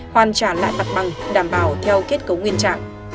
hoàn trả lại mặt bằng đảm bảo theo kết cấu nguyên trạng